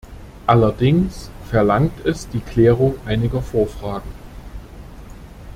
Allerdings verlangt es die Klärung einiger Vorfragen.